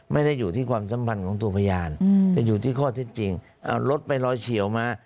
ไม่ได้อยู่ที่ความสัมพันธ์ของตัวพยานแต่อยู่ที่ข้อเท็จจริงรถไปลอยเฉียวมา